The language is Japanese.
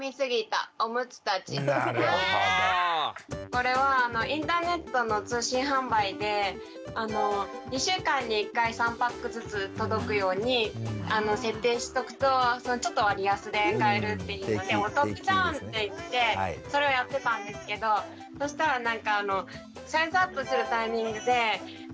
これはインターネットの通信販売で２週間に１回３パックずつ届くように設定しとくとちょっと割安で買えるっていうのでお得じゃん！っていってそれをやってたんですけどそしたらなんかそうか！